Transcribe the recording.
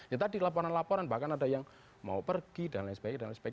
ya tadi laporan laporan bahkan ada yang mau pergi dan lain sebagainya